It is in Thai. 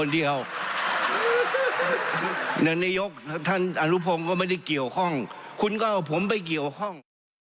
เดี๋ยวลองดูบรรยากาศตรงนี้นิดนึง